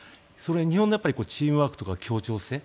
日本のチームワークとか協調性